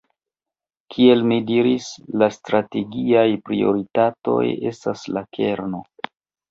Kiel mi diris, la strategiaj prioritatoj estas la kerno.